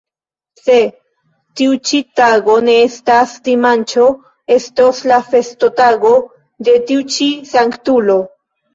Se tiu ĉi tago ne estas dimanĉo, estos la festotago de tiu ĉi Sanktulo.